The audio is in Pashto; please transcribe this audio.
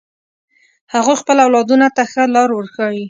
هغوی خپل اولادونو ته ښه لار ورښایی